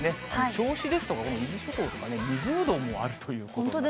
銚子ですとか、伊豆諸島とか、２０度もあるということで。